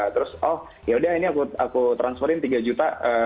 terus oh ya udah ini aku transferin tiga juta